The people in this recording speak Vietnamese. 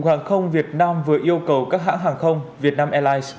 cục hàng không việt nam vừa yêu cầu các hãng hàng không vietnam airlines